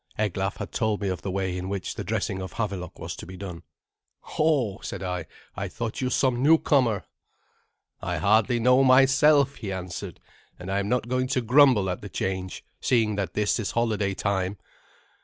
Eglaf had told me of the way in which the dressing of Havelok was to be done. "Ho!" said I, "I thought you some newcomer." "I hardly know myself," he answered, "and I am not going to grumble at the change, seeing that this is holiday time.